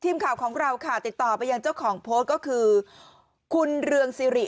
ทีมข่าวของเราค่ะติดต่อไปยังเจ้าของโพสต์ก็คือคุณเรืองสิริ